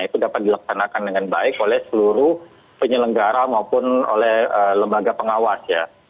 itu dapat dilaksanakan dengan baik oleh seluruh penyelenggara maupun oleh lembaga pengawas ya